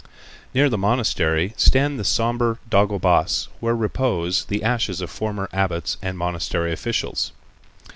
Near the monastery stand the sombre dagobas where repose the ashes of former abbots and monastery officials.